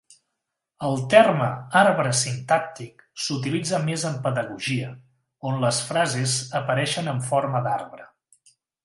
El terme "arbre sintàctic" s'utilitza més en pedagogia, on les frases apareixen "en forma d'arbre".